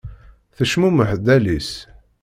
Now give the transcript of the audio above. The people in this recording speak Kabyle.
Tecmumeḥ-d Alice.